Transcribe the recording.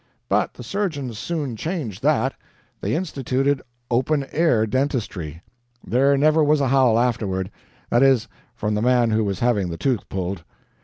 But the surgeons soon changed that; they instituted open air dentistry. There never was a howl afterward that is, from the man who was having the tooth pulled.